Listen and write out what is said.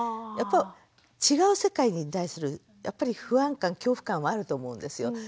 やっぱり違う世界に対するやっぱり不安感恐怖感はあると思うんですよ。